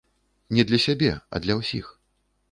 Не для сябе, а для ўсіх.